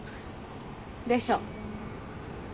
でしょ。